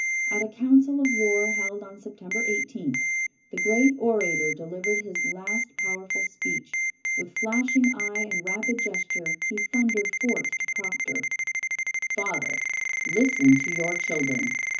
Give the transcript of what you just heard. At a council of war held on September 18 the great orator delivered his last powerful speech. With flashing eye and rapid gesture he thundered forth to Procter: Father, listen to your children!